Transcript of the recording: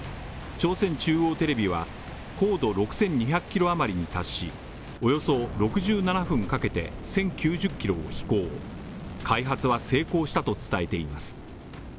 朝鮮中央テレビは高度６２００ｋｍあまりに達しおよそ６７分かけて、１０９０ｋｍを飛行、開発は成功したと伝えています。